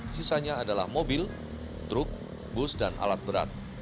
sisanya adalah mobil truk bus dan alat berat